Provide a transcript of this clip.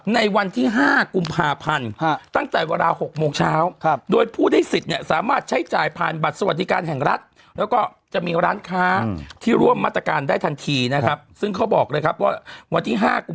ในวันที่๕กุมภาพันธ์ตั้งแต่เวลา๖โมงเช้าโดยผู้ได้สิทธิ์เนี่ยสามารถใช้จ่ายผ่านบัตรสวัสดิการแห่งรัฐ